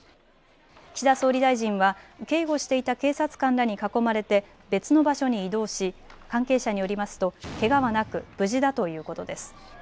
岸田総理大臣は警護していた警察官らに囲まれて別の場所に移動し関係者によりますとけがはなく無事だということです。